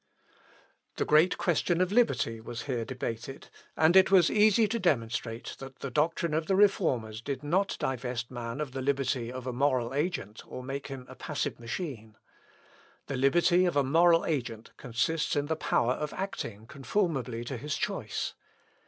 ] The great question of liberty was here debated, and it was easy to demonstrate that the doctrine of the Reformers did not divest man of the liberty of a moral agent or make him a passive machine. The liberty of a moral agent consists in the power of acting conformably to his choice.